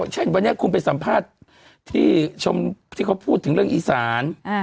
เช่นวันนี้คุณไปสัมภาษณ์ที่ชมที่เขาพูดถึงเรื่องอีสาน